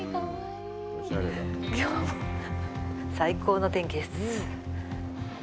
きょうも、最高の天気です。